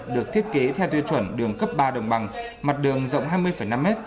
được thiết kế theo tiêu chuẩn đường cấp ba đồng bằng mặt đường rộng hai mươi năm m